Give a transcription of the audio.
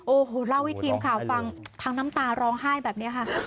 โอ้โหเล่าให้ทีมข่าวฟังทั้งน้ำตาร้องไห้แบบนี้ค่ะ